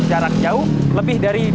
jarak jauh lebih dari